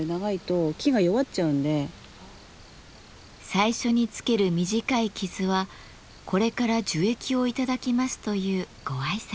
最初につける短い傷はこれから樹液を頂きますというご挨拶。